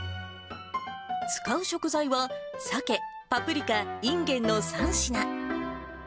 使う食材は、さけ、パプリカ、いんげんの３品。